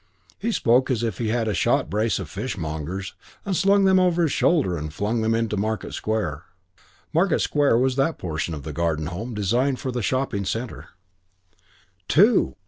He spoke as if he had shot a brace of fishmongers and slung them over his shoulder and flung them into Market Square. Market Square was that portion of the Garden Home designed for the shopping centre. "Two!"